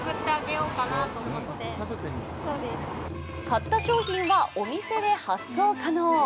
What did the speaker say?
買った商品はお店で発送可能。